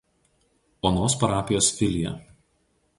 Onos parapijos filija.